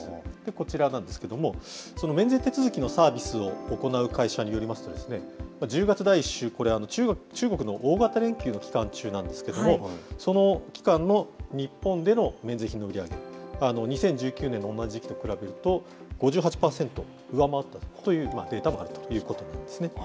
こちらなんですけれども、その免税手続きのサービスを行う会社によりますとですね、１０月第１週、これ、中国の大型連休の期間中なんですけども、その期間の日本での免税品の売り上げ、２０１９年の同じ時期と比べると、５８％上回ったというデータもあるということなんですね。